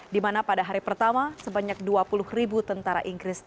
di mana pada hari pertama sebanyak dua puluh ribu tentara inggris